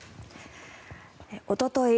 おととい